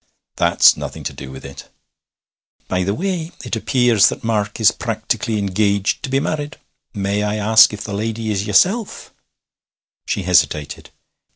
'That's nothing to do with it.' 'By the way, it appears that Mark is practically engaged to be married. May I ask if the lady is yeself?' She hesitated.